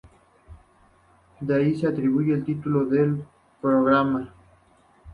De allí se atribuye el título del programa.